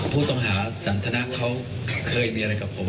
ผู้ต้องหาสันทนะเขาเคยมีอะไรกับผม